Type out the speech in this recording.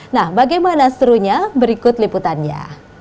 nah bagaimana serunya berikut liputannya